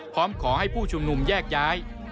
พร้อมขอให้ผู้ชุมนุมแยกย้าย